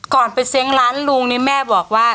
ก่อนไปเซ้งร้านลุงนี่แม่บอกว่า